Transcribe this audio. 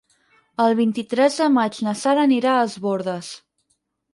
El vint-i-tres de maig na Sara anirà a Es Bòrdes.